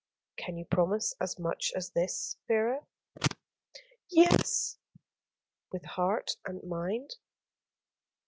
"Can you promise as much as this, Vera? "Yes." "With heart and mind?"